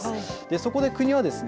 そこで国はですね